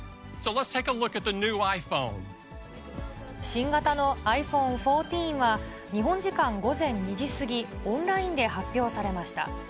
新型のｉＰｈｏｎｅ１４は、日本時間午前２時過ぎ、オンラインで発表されました。